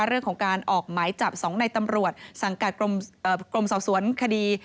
เรื่องของการออกหมายจับ๒ในตำรวจสังกัดกรมสอบสวนคดี